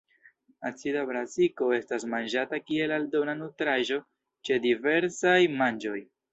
Acida brasiko estas manĝata kiel aldona nutraĵo ĉe diversaj manĝoj.